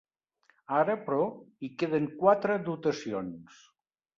Ara, però, hi queden quatre dotacions.